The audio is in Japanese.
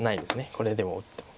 これでも打っても。